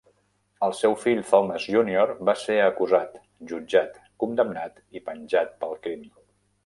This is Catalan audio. El seu fill Thomas Junior va ser acusat, jutjat, condemnat i penjat pel crim.